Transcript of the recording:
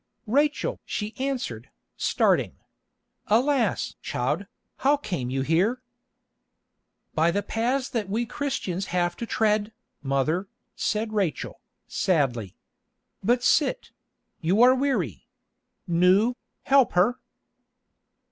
"Rachel!" she answered, starting. "Alas! child, how came you here?" "By the paths that we Christians have to tread, mother," said Rachel, sadly. "But sit; you are weary. Nou, help her."